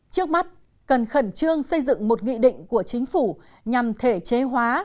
trước mắt cần khẩn trương xây dựng một nghị định của chính phủ nhằm thể chế hóa